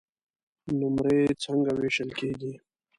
نمرې څنګه وېشل کیږي؟